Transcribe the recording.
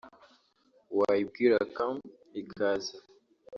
wayibwira “come” ikaza